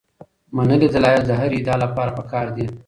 منلي دلایل د هرې ادعا لپاره پکار دي.